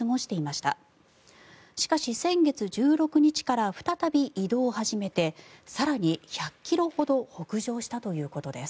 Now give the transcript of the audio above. しかし、先月１６日から再び移動を始めて更に１００ｋｍほど北上したということです。